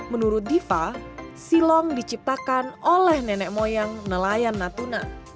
menurut diva silong diciptakan oleh nenek moyang nelayan natuna